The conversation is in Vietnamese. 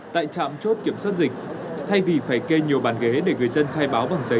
tại trạm chốt kiểm soát dịch thay vì phải kê nhiều bàn ghế để người dân khai báo bằng giấy